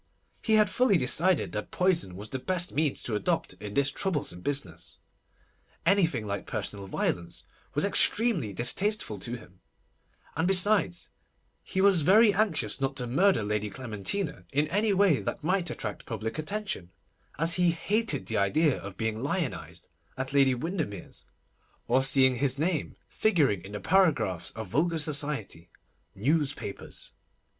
He had fully decided that poison was the best means to adopt in this troublesome business. Anything like personal violence was extremely distasteful to him, and besides, he was very anxious not to murder Lady Clementina in any way that might attract public attention, as he hated the idea of being lionised at Lady Windermere's, or seeing his name figuring in the paragraphs of vulgar society—newspapers.